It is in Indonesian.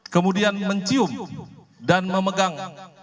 kemudian mencium dan memegang